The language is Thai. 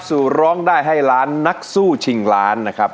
สู่ร้องได้ให้ล้านนักสู้ชิงล้านนะครับ